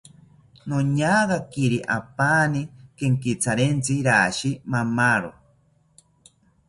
Noñagakiri apaani kenkitharentzi rashi mamawo